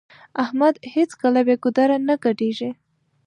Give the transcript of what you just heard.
احمد هيڅکله بې ګودره نه ګډېږي.